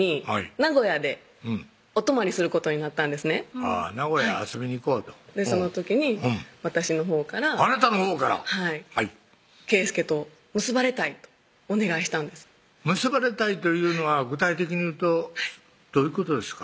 名古屋遊びに行こうとその時に私のほうからあなたのほうからはい「圭祐と結ばれたい」とお願いしたんです結ばれたいというのは具体的に言うとどういうことですか？